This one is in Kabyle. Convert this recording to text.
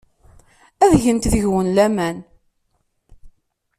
Ad gent deg-wen laman.